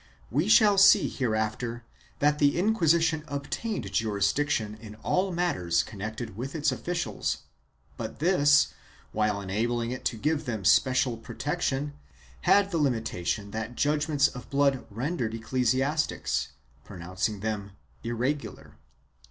We shall see hereafter that the Inquisition obtained jurisdiction in all matters connected with its officials, but this, while enabling it to give them special protection, had the limita tion that judgements of blood rendered ecclesiastics pronouncing them " irregular."